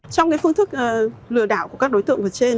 trong cái phương thức lừa đảo của các đối tượng ở trên